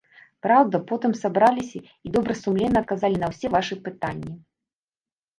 Праўда, потым сабраліся і добрасумленна адказалі на ўсе вашы пытанні.